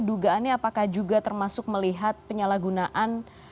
dugaannya apakah juga termasuk melihat penyalahgunaan